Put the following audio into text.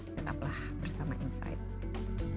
tetaplah bersama insight